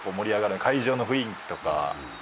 会場の雰囲気とか。